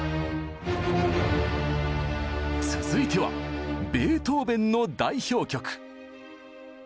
続いてはベートーベンの代表曲。